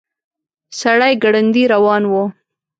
سړی ګړندي روان و.